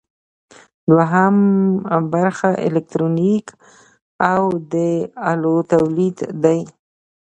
دوهم برخه الکترونیک او د الو تولید دی.